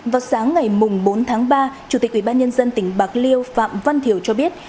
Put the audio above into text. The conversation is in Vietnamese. vào sáng ngày bốn tháng ba chủ tịch ubnd tỉnh bạc liêu phạm văn thiểu cho biết